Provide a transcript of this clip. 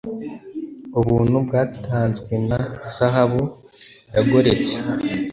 Ubuntu bwatanzwena zahabu yagoretse